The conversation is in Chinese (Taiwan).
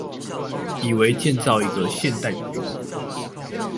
以為建造一個現代的中國